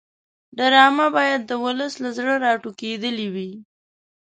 ډرامه باید د ولس له زړه راټوکېدلې وي